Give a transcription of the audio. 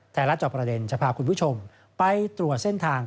รับจอบประเด็นจะพาคุณผู้ชมไปตรวจเส้นทาง